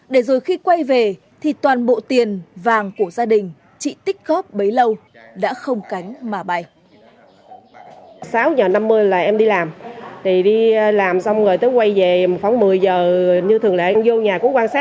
để rồi khi quay về thì toàn bộ tiền vàng của gia đình chị tích góp bấy lâu đã không cánh mà bay